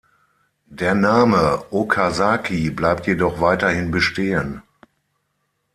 Der Name Okazaki bleibt jedoch weiterhin bestehen.